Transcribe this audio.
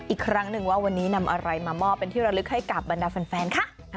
อีกครั้งหนึ่งว่าวันนี้นำอะไรมามอบเป็นที่ระลึกให้กับบรรดาแฟนค่ะ